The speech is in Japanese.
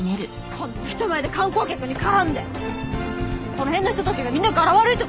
こんな人前で観光客に絡んでこの辺の人たちがみんな柄悪いとか思われたくないし。